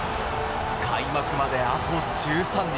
開幕まで、あと１３日。